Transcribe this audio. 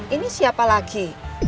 ini siapa lagi